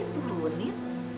lagian foto keluarga kita